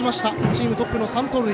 チームトップの３盗塁。